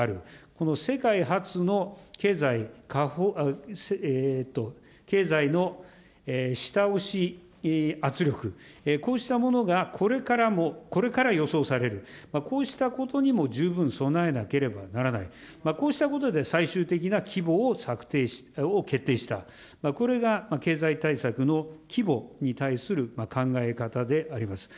この世界初の経済の下押し圧力、こうしたものがこれからも、これから予想される、こうしたことにも十分備えなければならない、こうしたことで最終的な規模を決定した、これが経済対策の規模に対する考え方であります。